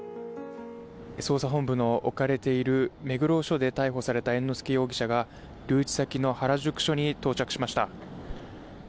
捜査本部の置かれている目黒署で逮捕された猿之助容疑者が留置先の原宿署に到着しました。